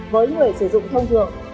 với người sử dụng thông thường